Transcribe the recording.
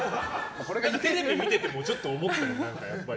テレビ見ててもちょっと思ったよ。